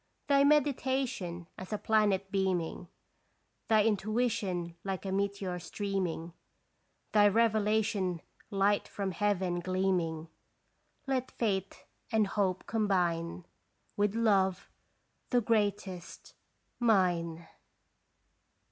Thy meditation as a planet beaming, Thy intuition like a meteor streaming, Thy revelation light from Heaven gleaming, Let faith and hope combine With love, the greatest, mine